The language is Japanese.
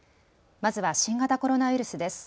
まずは新型コロナウイルスです。